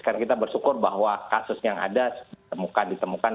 karena kita bersyukur bahwa kasus yang ada ditemukan